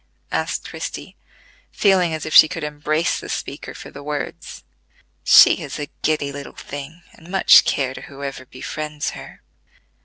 asked Christie, feeling as if she could embrace the speaker for the words. "She is a giddy little thing, and much care to whoever befriends her."